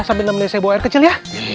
sambil nemenin saya bawa air kecil ya